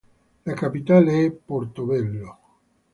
La capitale è Porto Velho.